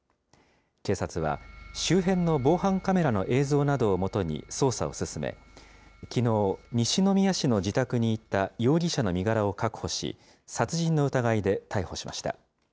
警察は、周辺の防犯カメラの映像などを基に捜査を進め、きのう、西宮市の自宅にいた容疑者の身柄を確保し、殺人の疑いで逮捕しました。